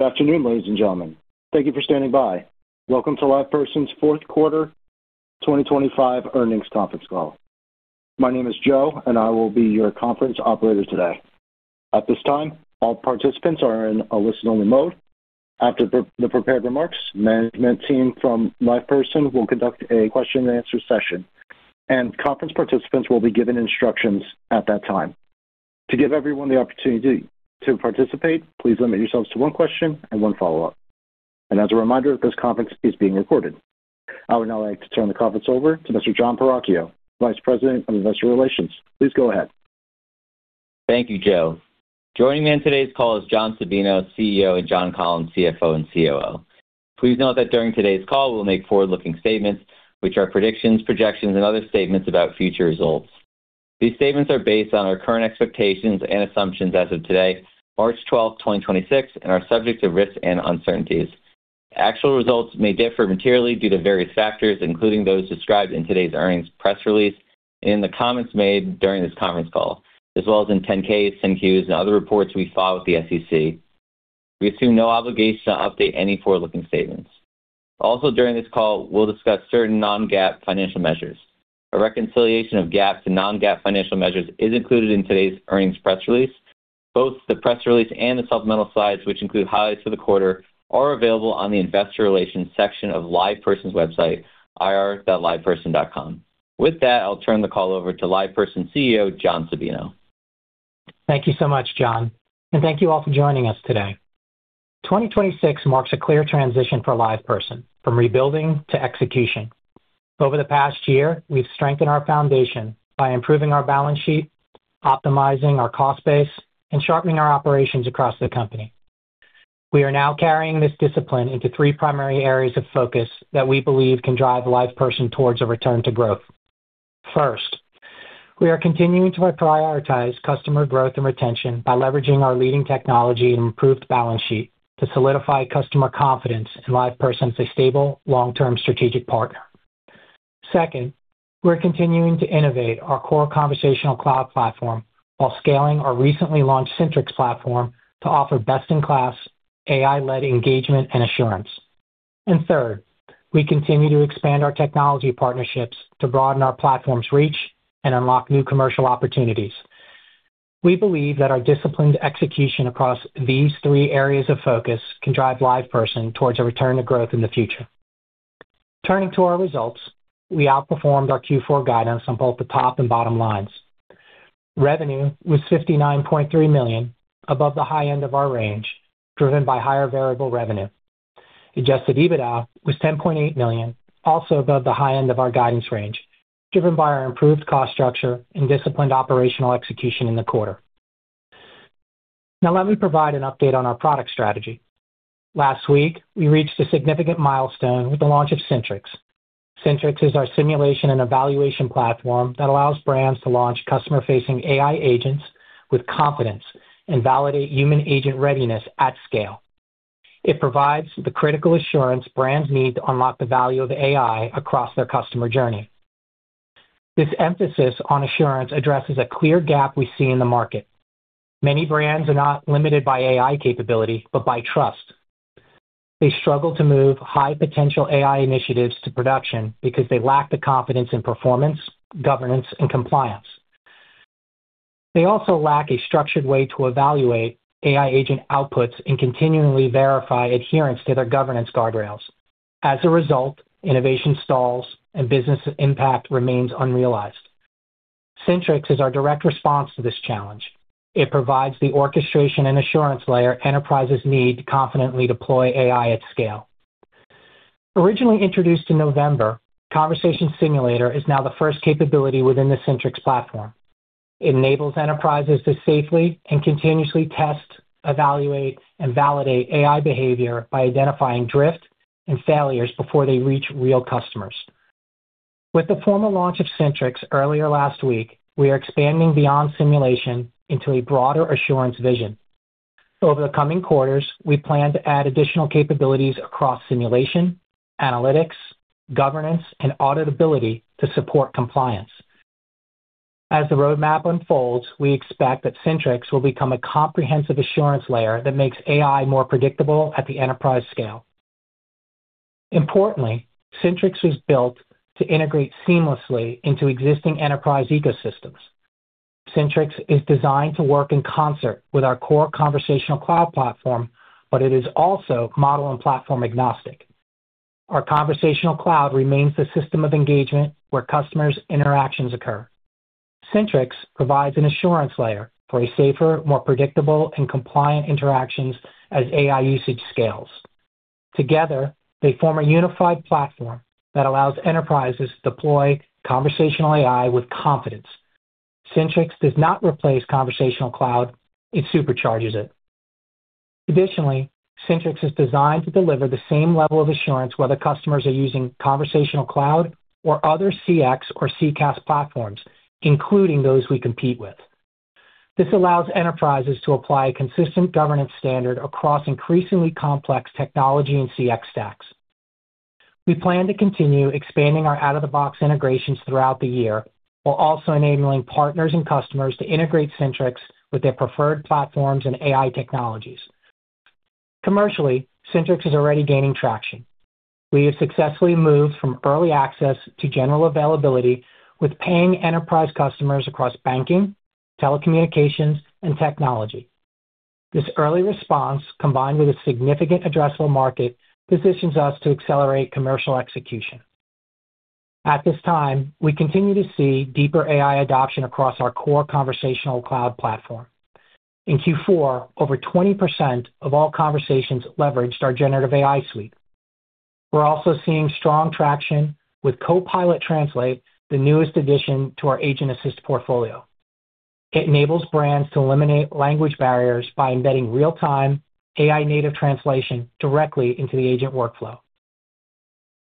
Good afternoon, ladies and gentlemen. Thank you for standing by. Welcome to LivePerson's fourth quarter 2025 earnings conference call. My name is Joe, and I will be your conference operator today. At this time, all participants are in a listen-only mode. After the prepared remarks, management team from LivePerson will conduct a question and answer session, and conference participants will be given instructions at that time. To give everyone the opportunity to participate, please limit yourselves to one question and one follow-up. As a reminder, this conference is being recorded. I would now like to turn the conference over to Mr. Jon Perachio, Vice President of Investor Relations. Please go ahead. Thank you, Joe. Joining me on today's call is John Sabino, CEO, and John Collins, CFO and COO. Please note that during today's call, we'll make forward-looking statements which are predictions, projections, and other statements about future results. These statements are based on our current expectations and assumptions as of today, March 12, 2026, and are subject to risks and uncertainties. Actual results may differ materially due to various factors, including those described in today's earnings press release and in the comments made during this conference call, as well as in 10-K, 10-Q, and other reports we file with the SEC. We assume no obligation to update any forward-looking statements. Also, during this call, we'll discuss certain non-GAAP financial measures. A reconciliation of GAAP to non-GAAP financial measures is included in today's earnings press release. Both the press release and the supplemental slides, which include highlights for the quarter, are available on the investor relations section of LivePerson's website, ir.liveperson.com. With that, I'll turn the call over to LivePerson CEO, John Sabino. Thank you so much, John, and thank you all for joining us today. 2026 marks a clear transition for LivePerson from rebuilding to execution. Over the past year, we've strengthened our foundation by improving our balance sheet, optimizing our cost base, and sharpening our operations across the company. We are now carrying this discipline into three primary areas of focus that we believe can drive LivePerson towards a return to growth. First, we are continuing to prioritize customer growth and retention by leveraging our leading technology and improved balance sheet to solidify customer confidence in LivePerson as a stable, long-term strategic partner. Second, we're continuing to innovate our core Conversational Cloud platform while scaling our recently launched Syntrix platform to offer best-in-class AI-led engagement and assurance. Third, we continue to expand our technology partnerships to broaden our platform's reach and unlock new commercial opportunities. We believe that our disciplined execution across these three areas of focus can drive LivePerson toward a return to growth in the future. Turning to our results, we outperformed our Q4 guidance on both the top and bottom lines. Revenue was $59.3 million, above the high end of our range, driven by higher variable revenue. Adjusted EBITDA was $10.8 million, also above the high end of our guidance range, driven by our improved cost structure and disciplined operational execution in the quarter. Now, let me provide an update on our product strategy. Last week, we reached a significant milestone with the launch of Syntrix. Syntrix is our simulation and evaluation platform that allows brands to launch customer-facing AI agents with confidence and validate human agent readiness at scale. It provides the critical assurance brands need to unlock the value of AI across their customer journey. This emphasis on assurance addresses a clear gap we see in the market. Many brands are not limited by AI capability, but by trust. They struggle to move high-potential AI initiatives to production because they lack the confidence in performance, governance, and compliance. They also lack a structured way to evaluate AI agent outputs and continually verify adherence to their governance guardrails. As a result, innovation stalls and business impact remains unrealized. Syntrix is our direct response to this challenge. It provides the orchestration and assurance layer enterprises need to confidently deploy AI at scale. Originally introduced in November, Conversation Simulator is now the first capability within the Syntrix platform. It enables enterprises to safely and continuously test, evaluate, and validate AI behavior by identifying drift and failures before they reach real customers. With the formal launch of Syntrix earlier last week, we are expanding beyond simulation into a broader assurance vision. Over the coming quarters, we plan to add additional capabilities across simulation, analytics, governance, and auditability to support compliance. As the roadmap unfolds, we expect that Syntrix will become a comprehensive assurance layer that makes AI more predictable at the enterprise scale. Importantly, Syntrix was built to integrate seamlessly into existing enterprise ecosystems. Syntrix is designed to work in concert with our core Conversational Cloud platform, but it is also model and platform agnostic. Our Conversational Cloud remains the system of engagement where customers' interactions occur. Syntrix provides an assurance layer for a safer, more predictable, and compliant interactions as AI usage scales. Together, they form a unified platform that allows enterprises to deploy conversational AI with confidence. Syntrix does not replace Conversational Cloud, it supercharges it. Additionally, Syntrix is designed to deliver the same level of assurance whether customers are using Conversational Cloud or other CX or CCaaS platforms, including those we compete with. This allows enterprises to apply a consistent governance standard across increasingly complex technology and CX stacks. We plan to continue expanding our out-of-the-box integrations throughout the year, while also enabling partners and customers to integrate Syntrix with their preferred platforms and AI technologies. Commercially, Syntrix is already gaining traction. We have successfully moved from early access to general availability with paying enterprise customers across banking, telecommunications, and technology. This early response, combined with a significant addressable market, positions us to accelerate commercial execution. At this time, we continue to see deeper AI adoption across our core Conversational Cloud platform. In Q4, over 20% of all conversations leveraged our Generative AI tools. We're also seeing strong traction with Copilot Translate, the newest addition to our Conversation Assist portfolio. It enables brands to eliminate language barriers by embedding real-time AI native translation directly into the agent workflow.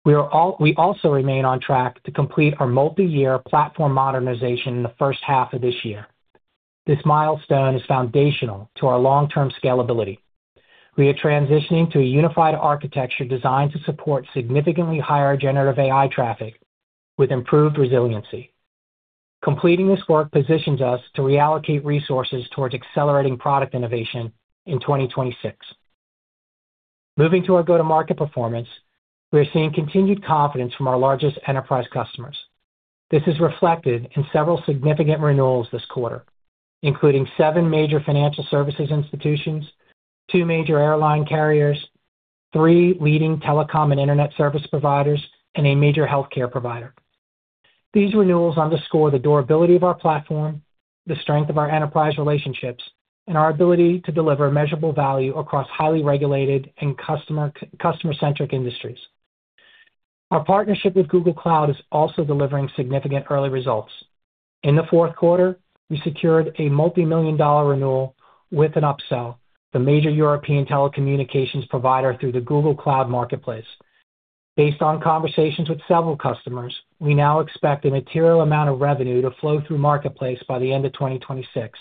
We also remain on track to complete our multi-year platform modernization in the first half of this year. This milestone is foundational to our long-term scalability. We are transitioning to a unified architecture designed to support significantly higher generative AI traffic with improved resiliency. Completing this work positions us to reallocate resources towards accelerating product innovation in 2026. Moving to our go-to-market performance, we are seeing continued confidence from our largest enterprise customers. This is reflected in several significant renewals this quarter, including seven major financial services institutions, two major airline carriers, three leading telecom and internet service providers, and a major healthcare provider. These renewals underscore the durability of our platform, the strength of our enterprise relationships, and our ability to deliver measurable value across highly regulated and customer-centric industries. Our partnership with Google Cloud is also delivering significant early results. In the fourth quarter, we secured a multi-million-dollar renewal with an upsell, the major European telecommunications provider through the Google Cloud Marketplace. Based on conversations with several customers, we now expect a material amount of revenue to flow through Marketplace by the end of 2026,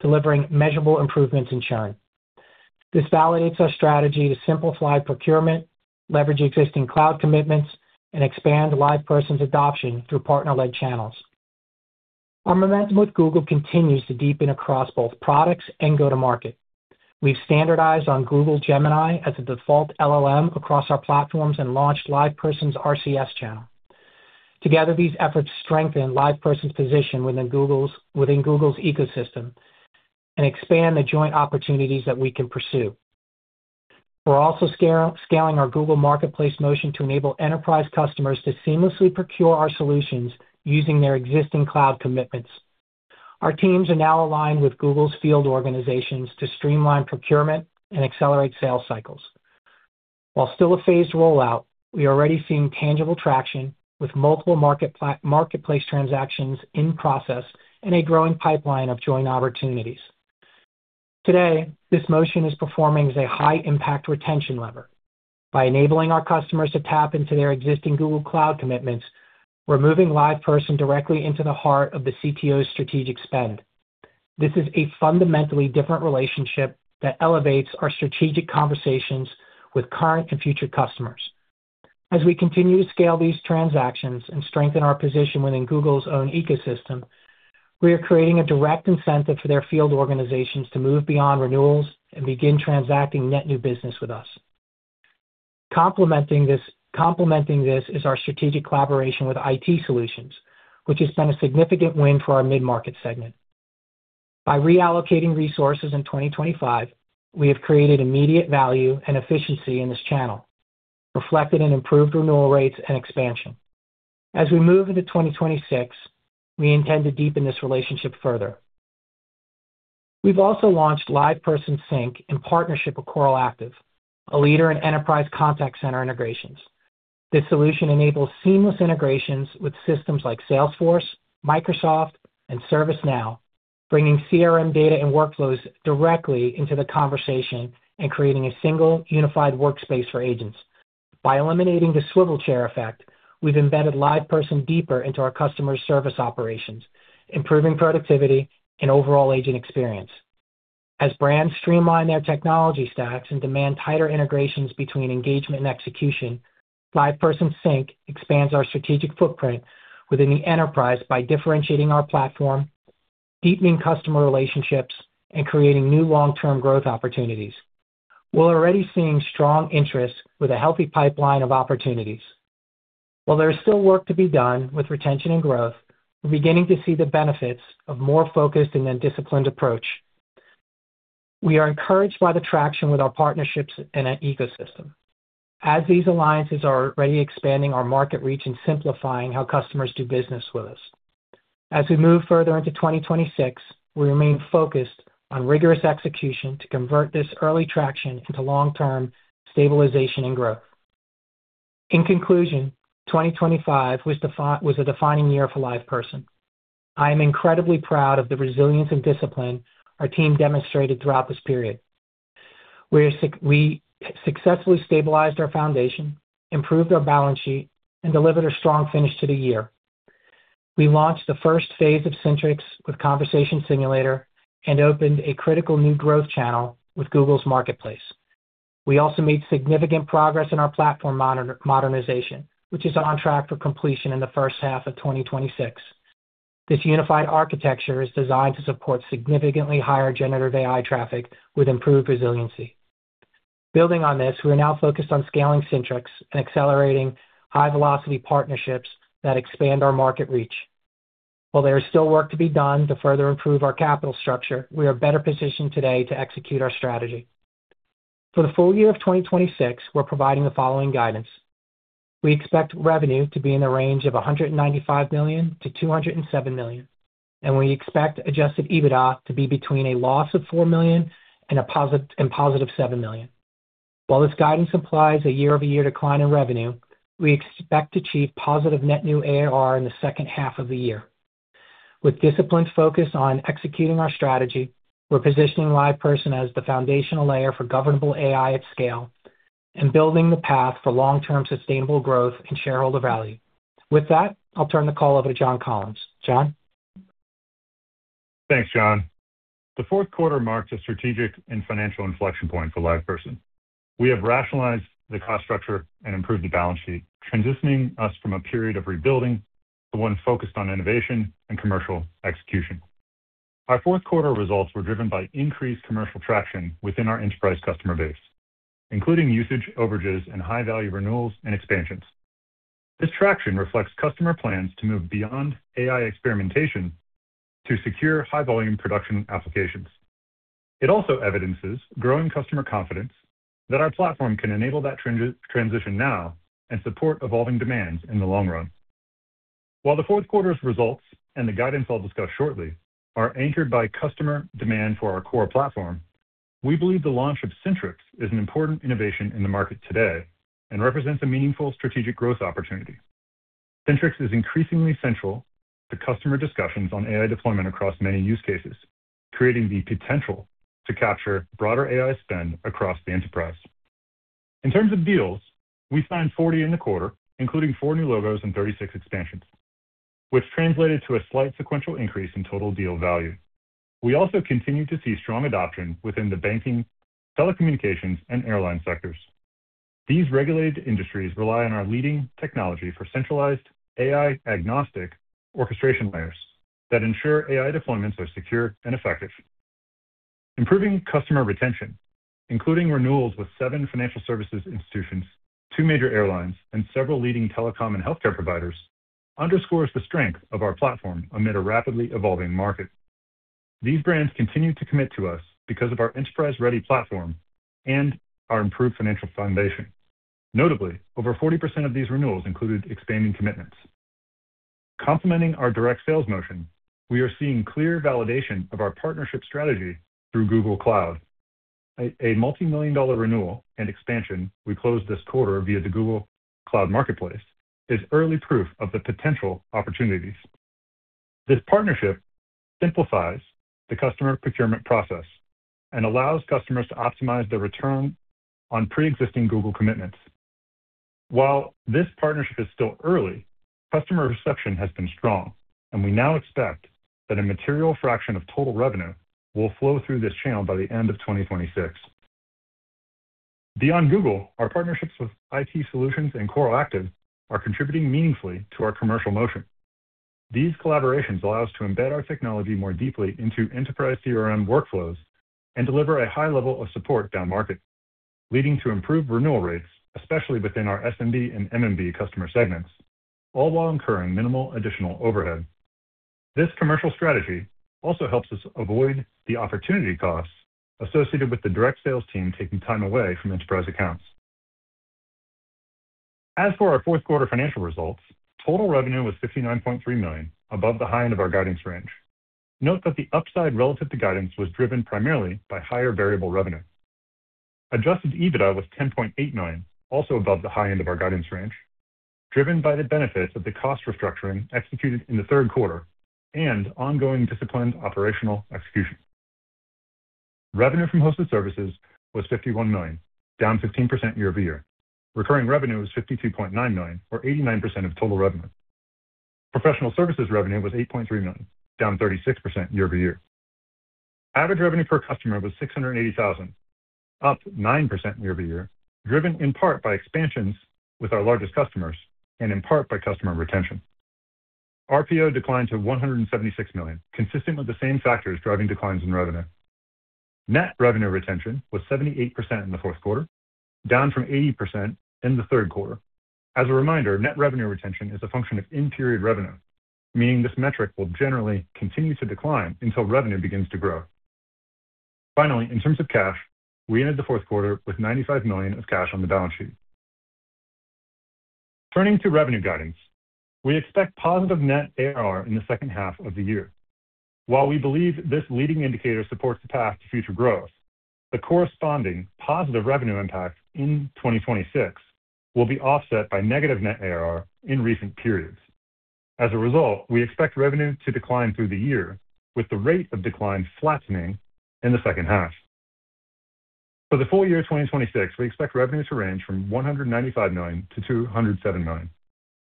delivering measurable improvements in churn. This validates our strategy to simplify procurement, leverage existing cloud commitments, and expand LivePerson's adoption through partner-led channels. Our momentum with Google continues to deepen across both products and go to market. We've standardized on Google Gemini as a default LLM across our platforms and launched LivePerson's RCS channel. Together, these efforts strengthen LivePerson's position within Google's ecosystem and expand the joint opportunities that we can pursue. We're also scaling our Google Marketplace motion to enable enterprise customers to seamlessly procure our solutions using their existing cloud commitments. Our teams are now aligned with Google's field organizations to streamline procurement and accelerate sales cycles. While still a phased rollout, we are already seeing tangible traction with multiple marketplace transactions in process and a growing pipeline of joint opportunities. Today, this motion is performing as a high impact retention lever. By enabling our customers to tap into their existing Google Cloud commitments, we're moving LivePerson directly into the heart of the CTO's strategic spend. This is a fundamentally different relationship that elevates our strategic conversations with current and future customers. As we continue to scale these transactions and strengthen our position within Google's own ecosystem, we are creating a direct incentive for their field organizations to move beyond renewals and begin transacting net new business with us. Complementing this is our strategic collaboration with IT Solutions, which has been a significant win for our mid-market segment. By reallocating resources in 2025, we have created immediate value and efficiency in this channel, reflected in improved renewal rates and expansion. As we move into 2026, we intend to deepen this relationship further. We've also launched LivePerson Sync in partnership with Coral Active, a leader in enterprise contact center integrations. This solution enables seamless integrations with systems like Salesforce, Microsoft, and ServiceNow, bringing CRM data and workflows directly into the conversation and creating a single unified workspace for agents. By eliminating the swivel chair effect, we've embedded LivePerson deeper into our customer service operations, improving productivity and overall agent experience. As brands streamline their technology stacks and demand tighter integrations between engagement and execution, LivePerson Sync expands our strategic footprint within the enterprise by differentiating our platform, deepening customer relationships, and creating new long-term growth opportunities. We're already seeing strong interest with a healthy pipeline of opportunities. While there is still work to be done with retention and growth, we're beginning to see the benefits of more focused and a disciplined approach. We are encouraged by the traction with our partnerships in our ecosystem. As these alliances are already expanding our market reach and simplifying how customers do business with us. As we move further into 2026, we remain focused on rigorous execution to convert this early traction into long-term stabilization and growth. In conclusion, 2025 was a defining year for LivePerson. I am incredibly proud of the resilience and discipline our team demonstrated throughout this period. We successfully stabilized our foundation, improved our balance sheet, and delivered a strong finish to the year. We launched the first phase of Syntrix with Conversation Simulator and opened a critical new growth channel with Google's Marketplace. We also made significant progress in our platform modernization, which is on track for completion in the first half of 2026. This unified architecture is designed to support significantly higher generative AI traffic with improved resiliency. Building on this, we are now focused on scaling Syntrix and accelerating high-velocity partnerships that expand our market reach. While there is still work to be done to further improve our capital structure, we are better positioned today to execute our strategy. For the full year of 2026, we're providing the following guidance. We expect revenue to be in the range of $195 million-$207 million, and we expect Adjusted EBITDA to be between a loss of $4 million and $7 million. While this guidance implies a year-over-year decline in revenue, we expect to achieve positive net new ARR in the second half of the year. With disciplined focus on executing our strategy, we're positioning LivePerson as the foundational layer for governable AI at scale and building the path for long-term sustainable growth and shareholder value. With that, I'll turn the call over to John Collins. John? Thanks, John. The fourth quarter marked a strategic and financial inflection point for LivePerson. We have rationalized the cost structure and improved the balance sheet, transitioning us from a period of rebuilding to one focused on innovation and commercial execution. Our fourth quarter results were driven by increased commercial traction within our enterprise customer base, including usage overages and high-value renewals and expansions. This traction reflects customer plans to move beyond AI experimentation to secure high-volume production applications. It also evidences growing customer confidence that our platform can enable that transition now and support evolving demands in the long run. While the fourth quarter's results, and the guidance I'll discuss shortly, are anchored by customer demand for our core platform, we believe the launch of Syntrix is an important innovation in the market today and represents a meaningful strategic growth opportunity. Syntrix is increasingly central to customer discussions on AI deployment across many use cases, creating the potential to capture broader AI spend across the enterprise. In terms of deals, we signed 40 in the quarter, including four new logos and 36 expansions, which translated to a slight sequential increase in total deal value. We also continue to see strong adoption within the banking, telecommunications, and airline sectors. These regulated industries rely on our leading technology for centralized AI-agnostic orchestration layers that ensure AI deployments are secure and effective. Improving customer retention, including renewals with seven financial services institutions, two major airlines, and several leading telecom and healthcare providers underscores the strength of our platform amid a rapidly evolving market. These brands continue to commit to us because of our enterprise-ready platform and our improved financial foundation. Notably, over 40% of these renewals included expanding commitments. Complementing our direct sales motion, we are seeing clear validation of our partnership strategy through Google Cloud. A multi-million-dollar renewal and expansion we closed this quarter via the Google Cloud Marketplace is early proof of the potential opportunities. This partnership simplifies the customer procurement process and allows customers to optimize their return on preexisting Google commitments. While this partnership is still early, customer reception has been strong, and we now expect that a material fraction of total revenue will flow through this channel by the end of 2026. Beyond Google, our partnerships with IT Solutions and Coral Active are contributing meaningfully to our commercial motion. These collaborations allow us to embed our technology more deeply into enterprise CRM workflows and deliver a high level of support down market, leading to improved renewal rates, especially within our SMB and MMB customer segments, all while incurring minimal additional overhead. This commercial strategy also helps us avoid the opportunity costs associated with the direct sales team taking time away from enterprise accounts. As for our fourth quarter financial results, total revenue was $69.3 million, above the high end of our guidance range. Note that the upside relative to guidance was driven primarily by higher variable revenue. Adjusted EBITDA was $10.8 million, also above the high end of our guidance range, driven by the benefits of the cost restructuring executed in the third quarter and ongoing disciplined operational execution. Revenue from hosted services was $51 million, down 15% year over year. Recurring revenue was $52.9 million or 89% of total revenue. Professional services revenue was $8.3 million, down 36% year over year. Average revenue per customer was $680,000, up 9% year-over-year, driven in part by expansions with our largest customers and in part by customer retention. RPO declined to $176 million, consistent with the same factors driving declines in revenue. Net revenue retention was 78% in the fourth quarter, down from 80% in the third quarter. As a reminder, net revenue retention is a function of in-period revenue, meaning this metric will generally continue to decline until revenue begins to grow. Finally, in terms of cash, we ended the fourth quarter with $95 million of cash on the balance sheet. Turning to revenue guidance, we expect positive net ARR in the second half of the year. While we believe this leading indicator supports the path to future growth, the corresponding positive revenue impact in 2026 will be offset by negative net ARR in recent periods. As a result, we expect revenue to decline through the year, with the rate of decline flattening in the second half. For the full year 2026, we expect revenue to range from $195 million-$207 million,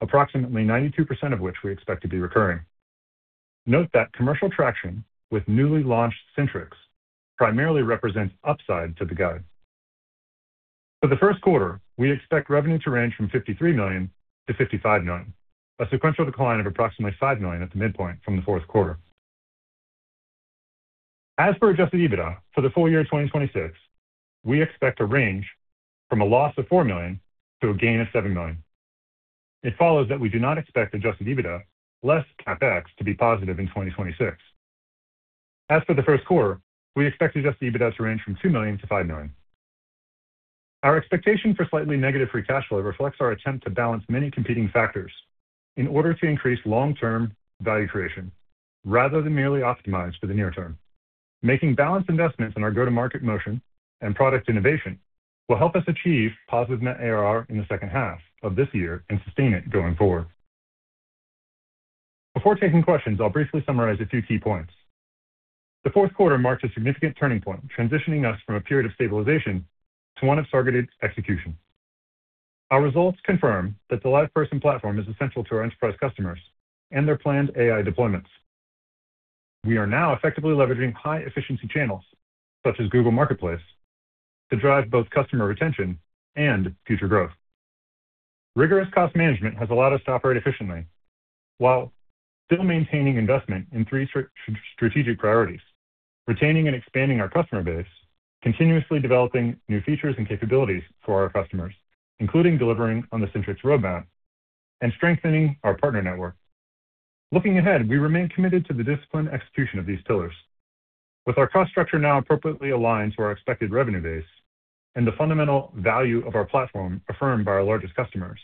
approximately 92% of which we expect to be recurring. Note that commercial traction with newly launched Syntrix primarily represents upside to the guide. For the first quarter, we expect revenue to range from $53 million-$55 million, a sequential decline of approximately $5 million at the midpoint from the fourth quarter. As for Adjusted EBITDA for the full year 2026, we expect to range from a loss of $4 million to a gain of $7 million. It follows that we do not expect Adjusted EBITDA less CapEx to be positive in 2026. As for the first quarter, we expect Adjusted EBITDA to range from $2 million-$5 million. Our expectation for slightly negative free cash flow reflects our attempt to balance many competing factors in order to increase long-term value creation rather than merely optimize for the near term. Making balanced investments in our go-to-market motion and product innovation will help us achieve positive net ARR in the second half of this year and sustain it going forward. Before taking questions, I'll briefly summarize a few key points. The fourth quarter marks a significant turning point, transitioning us from a period of stabilization to one of targeted execution. Our results confirm that the LivePerson platform is essential to our enterprise customers and their planned AI deployments. We are now effectively leveraging high-efficiency channels, such as Google Marketplace, to drive both customer retention and future growth. Rigorous cost management has allowed us to operate efficiently while still maintaining investment in three strategic priorities, retaining and expanding our customer base, continuously developing new features and capabilities for our customers, including delivering on the Syntrix roadmap, and strengthening our partner network. Looking ahead, we remain committed to the disciplined execution of these pillars. With our cost structure now appropriately aligned to our expected revenue base and the fundamental value of our platform affirmed by our largest customers,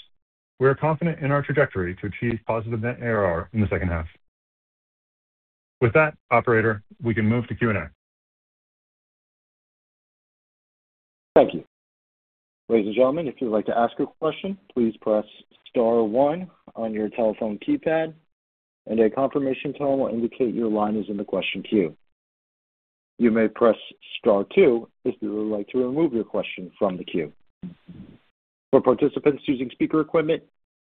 we are confident in our trajectory to achieve positive net ARR in the second half. With that, operator, we can move to Q&A. Thank you. Ladies and gentlemen, if you'd like to ask a question, please press star one on your telephone keypad and a confirmation tone will indicate your line is in the question queue. You may press star two if you would like to remove your question from the queue. For participants using speaker equipment,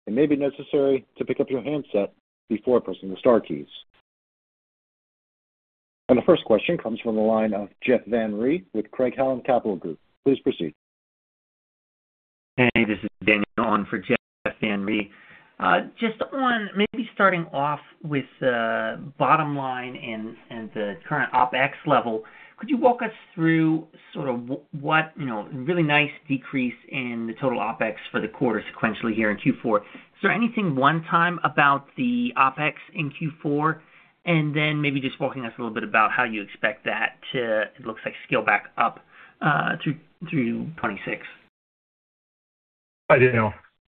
it may be necessary to pick up your handset before pressing the star keys. The first question comes from the line of Jeff Van Rhee with Craig-Hallum Capital Group. Please proceed. Hey, this is Daniel on for Jeff Van Rhee. Just on maybe starting off with the bottom line and the current OpEx level, could you walk us through sort of what, you know, really nice decrease in the total OpEx for the quarter sequentially here in Q4. Is there anything one time about the OpEx in Q4? Then maybe just walking us a little bit about how you expect that to, it looks like, scale back up through 2026. Hi, Daniel.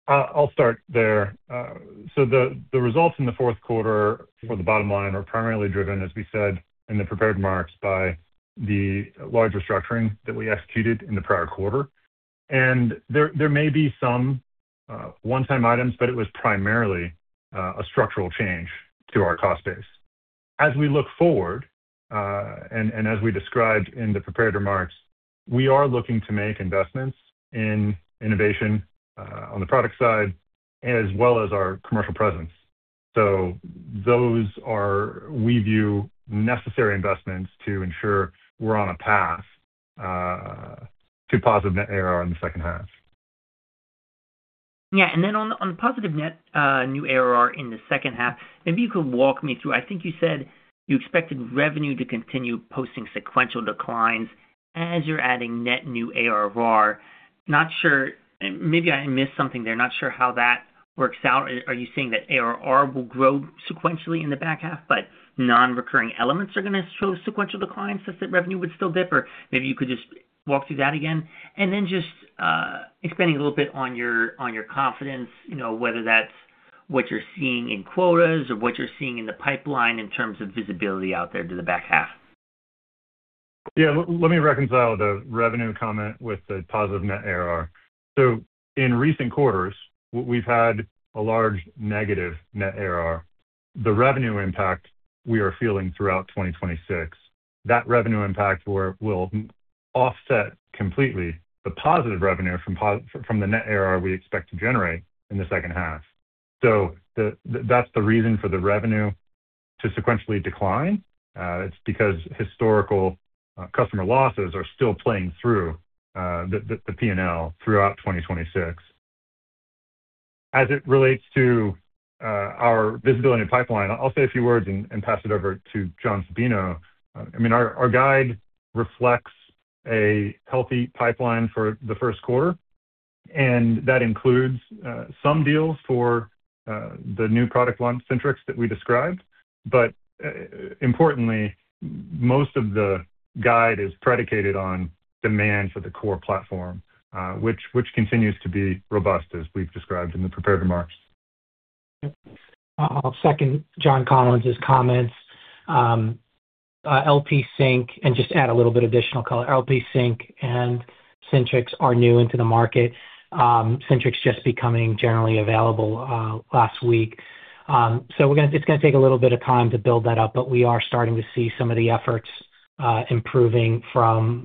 I'll start there. The results in the fourth quarter for the bottom line are primarily driven, as we said in the prepared remarks, by the large restructuring that we executed in the prior quarter. There may be some one-time items, but it was primarily a structural change to our cost base. As we look forward, and as we described in the prepared remarks, we are looking to make investments in innovation on the product side as well as our commercial presence. Those are, as we view, necessary investments to ensure we're on a path to positive net ARR in the second half. Yeah. Then on the positive net new ARR in the second half, maybe you could walk me through. I think you said you expected revenue to continue posting sequential declines as you're adding net new ARR. Not sure, maybe I missed something there. Not sure how that works out. Are you saying that ARR will grow sequentially in the back half, but non-recurring elements are gonna show sequential declines since that revenue would still dip? Or maybe you could just walk through that again. Then just expanding a little bit on your confidence, you know, whether that's what you're seeing in quotas or what you're seeing in the pipeline in terms of visibility out there to the back half. Yeah. Let me reconcile the revenue comment with the positive net ARR. In recent quarters, we've had a large negative net ARR. The revenue impact we are feeling throughout 2026, that revenue impact will offset completely the positive revenue from the net ARR we expect to generate in the second half. That's the reason for the revenue to sequentially decline. It's because historical customer losses are still playing through the P&L throughout 2026. As it relates to our visibility and pipeline, I'll say a few words and pass it over to John Sabino. I mean, our guide reflects a healthy pipeline for the first quarter, and that includes some deals for the new product launch Syntrix that we described. Importantly, most of the guide is predicated on demand for the core platform, which continues to be robust, as we've described in the prepared remarks. I'll second John Collins' comments, LP Sync, and just add a little bit additional color. LP Sync and Syntrix are new into the market. Syntrix just becoming generally available last week. It's gonna take a little bit of time to build that up, but we are starting to see some of the efforts improving from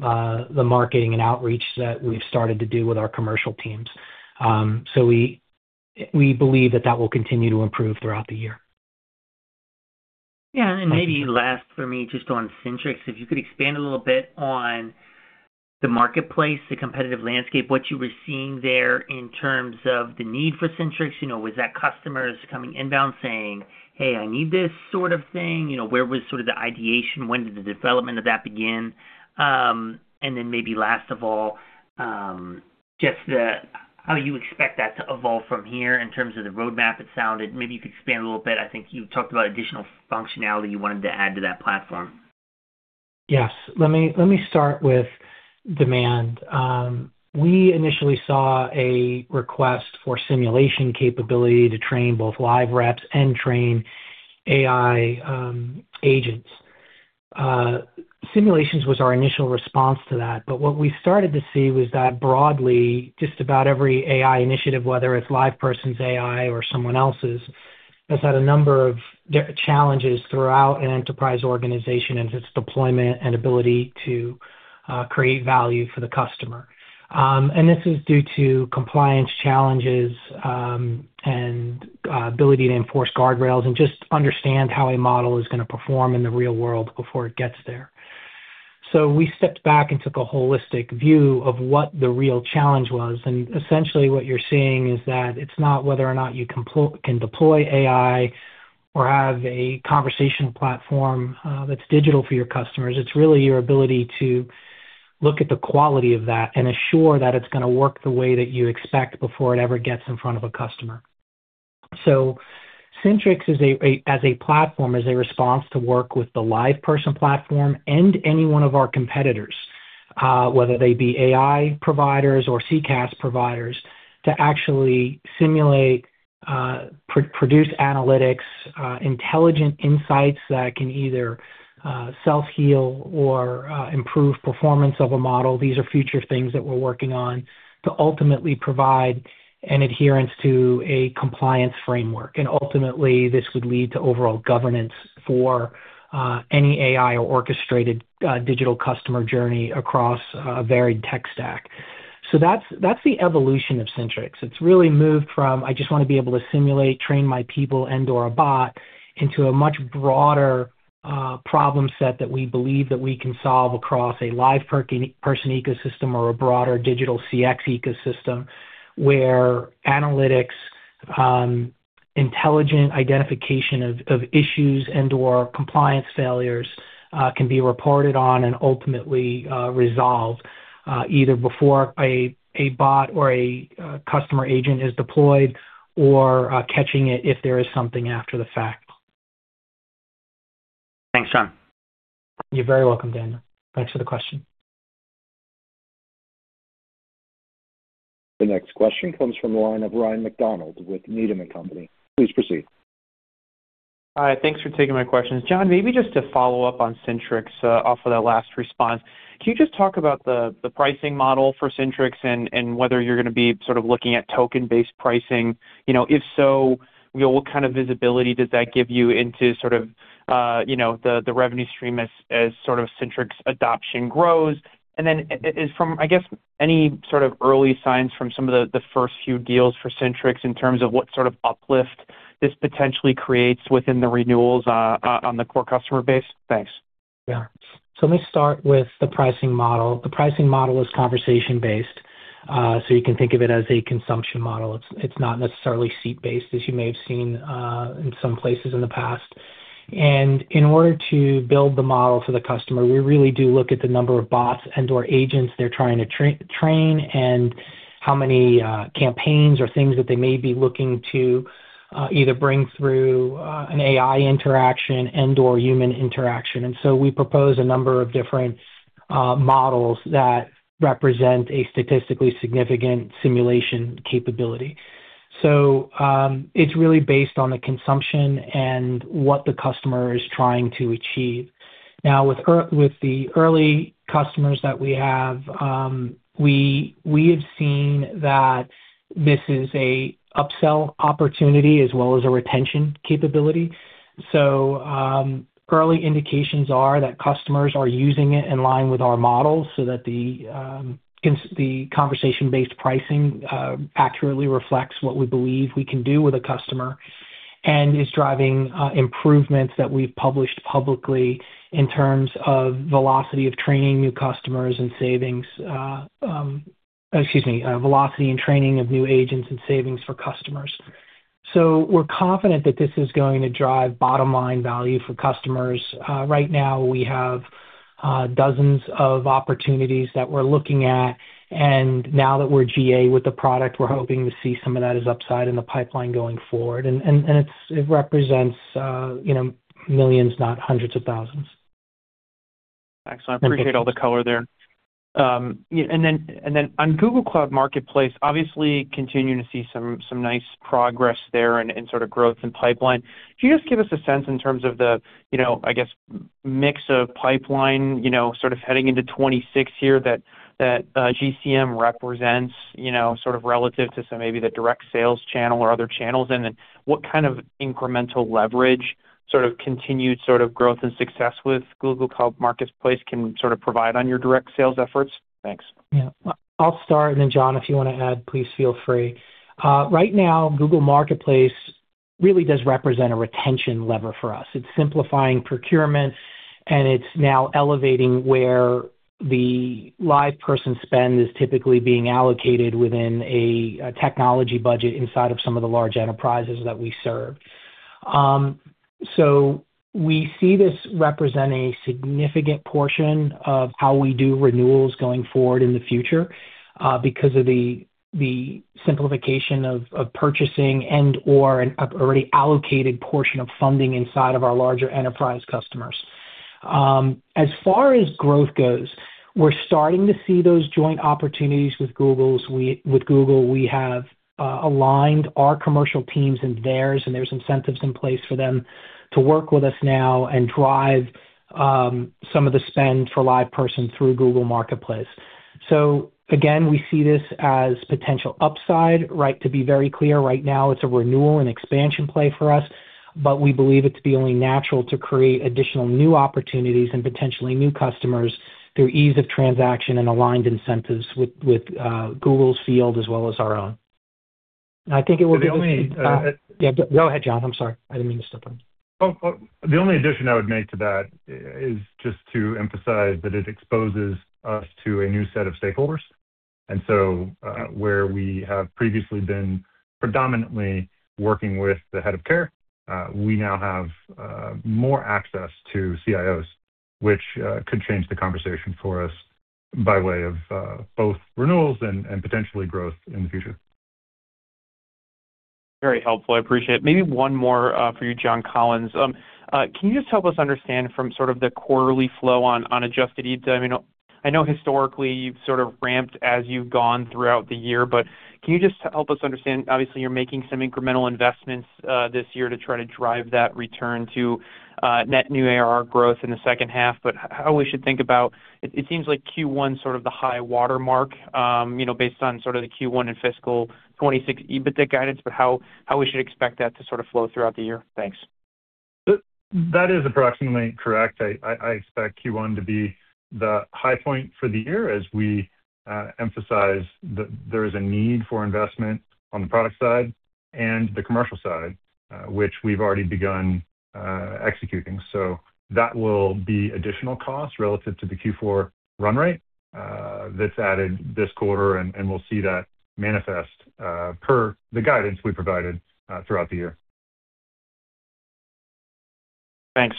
the marketing and outreach that we've started to do with our commercial teams. We believe that will continue to improve throughout the year. Yeah. Maybe last for me, just on Syntrix, if you could expand a little bit on the marketplace, the competitive landscape, what you were seeing there in terms of the need for Syntrix. You know, was that customers coming inbound saying, "Hey, I need this," sort of thing? You know, where was sort of the ideation? When did the development of that begin? Maybe last of all, just the how you expect that to evolve from here in terms of the roadmap it sounded. Maybe you could expand a little bit. I think you talked about additional functionality you wanted to add to that platform. Yes. Let me start with demand. We initially saw a request for simulation capability to train both live reps and train AI agents. Simulations was our initial response to that. What we started to see was that broadly, just about every AI initiative, whether it's LivePerson's AI or someone else's, has had a number of challenges throughout an enterprise organization and its deployment and ability to create value for the customer. This is due to compliance challenges, and ability to enforce guardrails and just understand how a model is gonna perform in the real world before it gets there. We stepped back and took a holistic view of what the real challenge was. Essentially what you're seeing is that it's not whether or not you can deploy AI or have a conversational platform, that's digital for your customers. It's really your ability to look at the quality of that and assure that it's gonna work the way that you expect before it ever gets in front of a customer. Syntrix, as a platform, is a response to work with the LivePerson platform and any one of our competitors, whether they be AI providers or CCaaS providers, to actually simulate, produce analytics, intelligent insights that can either self-heal or improve performance of a model. These are future things that we're working on to ultimately provide an adherence to a compliance framework. Ultimately, this would lead to overall governance for any AI or orchestrated digital customer journey across a varied tech stack. That's the evolution of Syntrix. It's really moved from, I just wanna be able to simulate, train my people and/or a bot into a much broader problem set that we believe that we can solve across a LivePerson ecosystem or a broader digital CX ecosystem, where analytics, intelligent identification of issues and/or compliance failures can be reported on and ultimately resolved either before a bot or a customer agent is deployed or catching it if there is something after the fact. Thanks, John. You're very welcome, Dan. Thanks for the question. The next question comes from the line of Ryan MacDonald with Needham & Company. Please proceed. Hi, thanks for taking my questions. John, maybe just to follow up on Syntrix off of that last response. Can you just talk about the pricing model for Syntrix and whether you're gonna be sort of looking at token-based pricing? You know, if so, you know, what kind of visibility does that give you into sort of, you know, the revenue stream as sort of Syntrix adoption grows? Then, from, I guess, any sort of early signs from some of the first few deals for Syntrix in terms of what sort of uplift this potentially creates within the renewals on the core customer base? Thanks. Yeah. Let me start with the pricing model. The pricing model is conversation-based, so you can think of it as a consumption model. It's not necessarily seat-based as you may have seen in some places in the past. In order to build the model for the customer, we really do look at the number of bots and/or agents they're trying to train and how many campaigns or things that they may be looking to either bring through an AI interaction and/or human interaction. We propose a number of different models that represent a statistically significant simulation capability. It's really based on the consumption and what the customer is trying to achieve. Now with the early customers that we have, we have seen that this is an upsell opportunity as well as a retention capability. Early indications are that customers are using it in line with our models so that the conversation-based pricing accurately reflects what we believe we can do with a customer and is driving improvements that we've published publicly in terms of velocity and training of new agents and savings for customers. We're confident that this is going to drive bottom line value for customers. Right now we have dozens of opportunities that we're looking at, and now that we're GA with the product, we're hoping to see some of that as upside in the pipeline going forward. It represents, you know, millions, not hundreds of thousands. Excellent. I appreciate all the color there. Yeah, and then on Google Cloud Marketplace, obviously continuing to see some nice progress there and sort of growth and pipeline. Can you just give us a sense in terms of the, you know, I guess, mix of pipeline, you know, sort of heading into 2026 here that GCM represents, you know, sort of relative to some, maybe the direct sales channel or other channels? What kind of incremental leverage sort of continued sort of growth and success with Google Cloud Marketplace can sort of provide on your direct sales efforts? Thanks. Yeah. I'll start and then John, if you wanna add, please feel free. Right now, Google Cloud Marketplace really does represent a retention lever for us. It's simplifying procurement, and it's now elevating where the LivePerson spend is typically being allocated within a technology budget inside of some of the large enterprises that we serve. So we see this represent a significant portion of how we do renewals going forward in the future, because of the simplification of purchasing and/or an already allocated portion of funding inside of our larger enterprise customers. As far as growth goes, we're starting to see those joint opportunities with Google. With Google, we have aligned our commercial teams and theirs, and there's incentives in place for them to work with us now and drive some of the spend for LivePerson through Google Cloud Marketplace. Again, we see this as potential upside, right? To be very clear, right now it's a renewal and expansion play for us, but we believe it to be only natural to create additional new opportunities and potentially new customers through ease of transaction and aligned incentives with Google's field as well as our own. I think it will be. The only. Yeah, go ahead, John. I'm sorry. I didn't mean to step on you. The only addition I would make to that is just to emphasize that it exposes us to a new set of stakeholders. Where we have previously been predominantly working with the head of care, we now have more access to CIOs, which could change the conversation for us by way of both renewals and potentially growth in the future. Very helpful. I appreciate it. Maybe one more for you, John Collins. Can you just help us understand from sort of the quarterly flow on unadjusted EBITDA? I mean, I know historically you've sort of ramped as you've gone throughout the year, but can you just help us understand, obviously, you're making some incremental investments this year to try to drive that return to net new ARR growth in the second half, but how we should think about it. It seems like Q1 is sort of the high watermark, you know, based on sort of the Q1 and fiscal 2026 EBITDA guidance, but how we should expect that to sort of flow throughout the year? Thanks. That is approximately correct. I expect Q1 to be the high point for the year as we emphasize that there is a need for investment on the product side and the commercial side, which we've already begun executing. That will be additional costs relative to the Q4 run rate that's added this quarter, and we'll see that manifest per the guidance we provided throughout the year. Thanks.